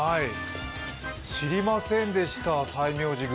知りませんでした、西明寺栗。